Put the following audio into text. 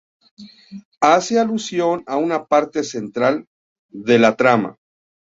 Hace alusión a una parte central de la trama.